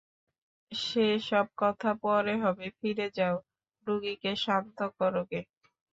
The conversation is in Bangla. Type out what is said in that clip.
সে-সব কথা পরে হবে, ফিরে যাও, রোগীকে শান্ত করো গে।